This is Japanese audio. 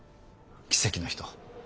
奇跡の人。